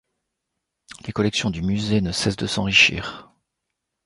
Les collections du musée ne cessent de s’enrichir.